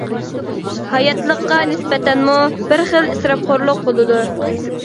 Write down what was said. ھاياتلىققا نىسبەتەنمۇ بىر خىل ئىسراپخورلۇق بولىدۇ.